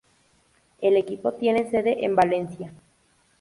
El equipo tiene sede en Valencia.